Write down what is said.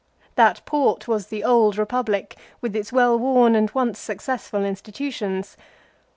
That port was the Old Eepublic, with its well worn and once successful insti tutions.